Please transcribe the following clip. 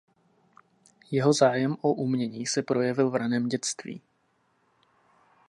Jeho zájem o umění se projevil v raném dětství.